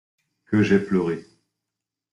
Que j'ai pleuré!